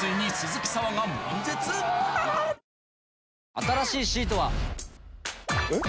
新しいシートは。えっ？